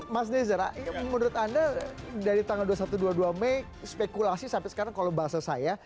mas nezer ini menurut anda dari tanggal dua puluh satu dua puluh dua mei spekulasi sampai sekarang kalau bahasa saya